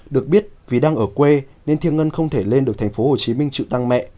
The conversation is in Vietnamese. được biết vì đang ở quê nên thiêng ngân không thể lên được thành phố hồ chí minh trự tăng mẹ